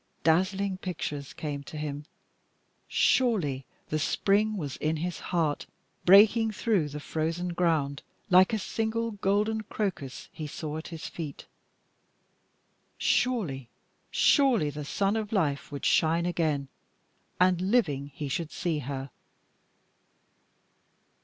Dazzling pictures came to him; surely the spring was in his heart breaking through the frozen ground like a single golden crocus he saw at his feet surely, surely the sun of life would shine again, and living he should see her.